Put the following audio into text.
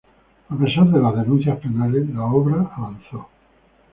A pesar de las denuncias penales, la obra avanzó.